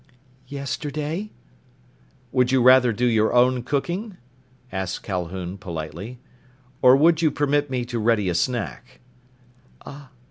"Yesterday." "Would you rather do your own cooking?" asked Calhoun politely. "Or would you permit me to ready a snack?"